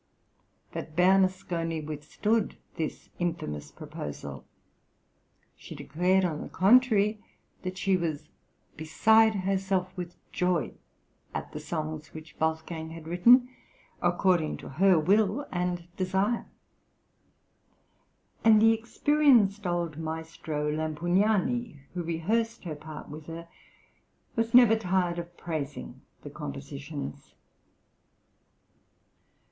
But Bernasconi withstood this infamous proposal. She declared, on the contrary, that she was "beside herself with joy" at the songs which Wolfgang had written "according to her will and desire"; and the experienced old maestro Lampugnani, who rehearsed her part with her, was never tired of praising the compositions.